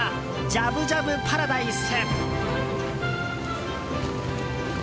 じゃぶじゃぶパラダイス。